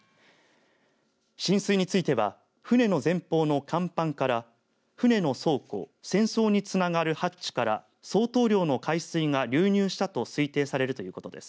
浸水については船の前方の甲板から船の倉庫船倉につながるハッチから相当量の海水が流入したと推定されるということです。